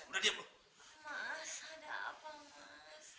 mas ada apa mas